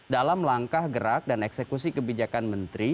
dalam langkah gerak dan eksekusi kebijakan menteri